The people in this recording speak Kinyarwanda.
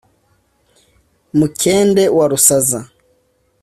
mukende wa rusaza